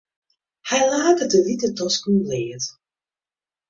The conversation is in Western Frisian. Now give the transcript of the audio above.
Hy laket de wite tosken bleat.